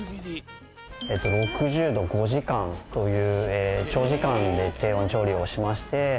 ６０度５時間という長時間で低温調理をしまして。